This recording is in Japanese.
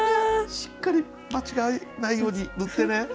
しっかり間違えないように塗ってね。